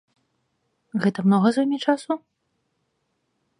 Гэта многа зойме часу?